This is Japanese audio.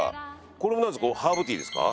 これハーブティーですか？